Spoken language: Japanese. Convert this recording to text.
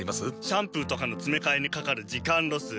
シャンプーとかのつめかえにかかる時間ロス。